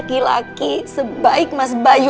tidak effect potong aku dulu